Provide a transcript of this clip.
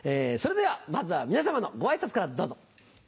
それではまずは皆様のご挨拶からどうぞ。